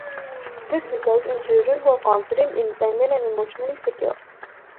This results in children who are confident, independent, and emotionally secure.